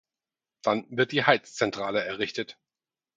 Dann wird die Heizzentrale errichtet.